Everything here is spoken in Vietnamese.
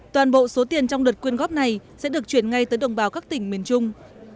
toàn bộ số tiền trong đợt quyên góp này sẽ được chuyển ngay tới đồng bào các tỉnh miền trung